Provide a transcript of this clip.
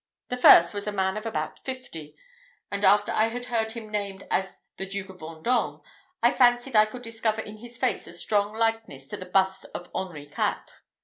The first was a man of about fifty; and, after I had heard him named as the Duke of Vendome, I fancied I could discover in his face a strong likeness to the busts of Henri Quatre.